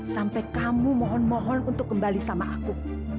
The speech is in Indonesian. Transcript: sampai kamu mohon mohon untuk kembali sama aku